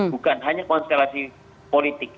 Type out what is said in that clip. bukan hanya konstelasi politik